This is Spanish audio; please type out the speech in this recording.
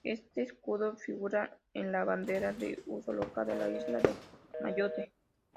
Este escudo figura en la bandera de uso local de la Isla de Mayotte.